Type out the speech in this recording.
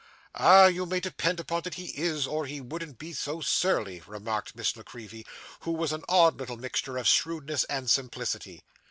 'Ah, you may depend upon it he is, or he wouldn't be so surly,' remarked Miss La Creevy, who was an odd little mixture of shrewdness and simplicity.